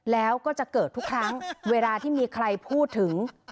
แล้วก็จะเกิดทุกครั้งเวลาที่มีใครพูดถึง